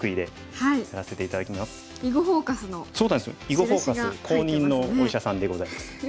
「囲碁フォーカス」公認のお医者さんでございます。